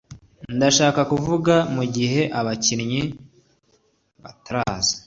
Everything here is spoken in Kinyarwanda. ndashaka kuvuga mugihe abakinyi bataraza